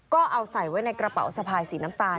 ก็เอาใส่ไว้ในกระเป๋าสะพายสีน้ำตาล